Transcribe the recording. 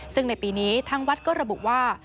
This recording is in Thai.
ซึ่งในปีนี้ทางวัดก็ระบุว่า